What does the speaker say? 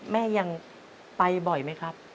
แม่ยังไปบ่อยไหมครับ